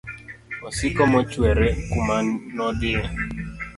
osiko mochwere kuma nodhie.